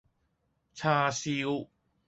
叉燒